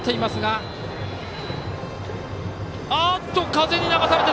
風に流された！